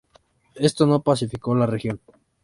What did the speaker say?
Esto no pacificó la región.